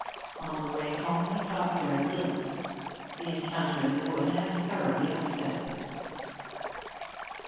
On the way home he talked very little; the encounter in the wood had thoroughly upset him.